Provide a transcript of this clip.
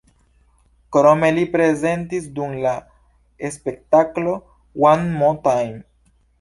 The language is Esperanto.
Krome li prezentis dum la spektaklo "One Mo’ Time".